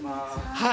はい。